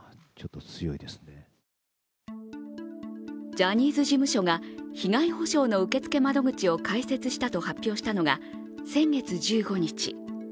ジャニーズ事務所が被害補償の受付窓口を開設したと発表したのが先月１５日。